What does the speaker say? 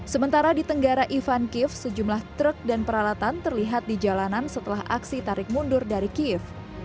sementara di tenggara ivan kiev sejumlah truk dan peralatan terlihat di jalanan setelah aksi tarik mundur dari kiev